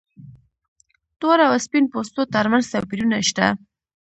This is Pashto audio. تور او سپین پوستو تر منځ توپیرونه شته.